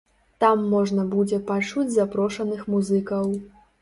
Там можна будзе пачуць запрошаных музыкаў.